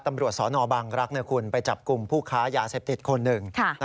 ตำรวจสนบังรักษ์ไปจับกลุ่มผู้ค้ายาเสพติดคนหนึ่ง